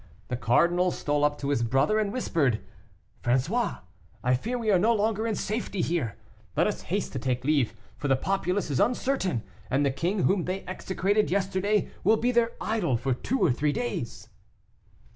The cardinal stole up to his brother, and whispered: "François; I fear we are no longer in safety here. Let us haste to take leave, for the populace is uncertain, and the king whom they execrated yesterday, will be their idol for two or three days."